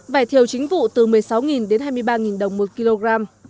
vải thiêu chính vụ từ một mươi sáu tỷ đồng đến hai mươi ba tỷ đồng một kg